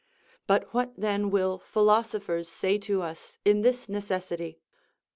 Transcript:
But what then will philosophers say to us in this necessity?